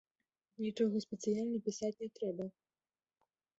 Нічога спецыяльна пісаць не трэба.